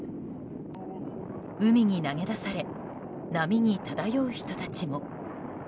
海に投げ出され波に漂う人たちも。